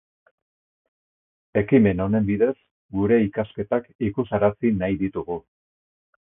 Ekimen honen bidez, gure ikasketak ikusarazi nahi ditugu.